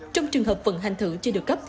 trong trường hợp vận hành thử chưa được cấp